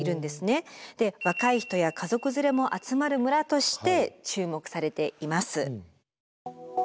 で若い人や家族連れも集まる村として注目されています。